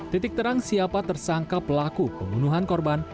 titik terang siapa tersangka pelaku pembunuhan korban